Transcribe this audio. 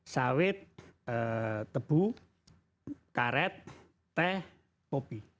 sawit tebu karet teh kopi